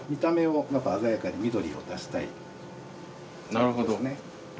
なるほど。